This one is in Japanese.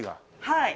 はい。